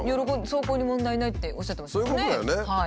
走行に問題ないっておっしゃってましたもんね。